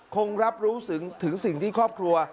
คงรับรู้ถึงสิ่งที่ครอบครัว